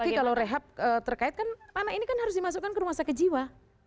apalagi kalau rehab terkait kan anak ini kan harus dimasukkan ke ruang sekejiwa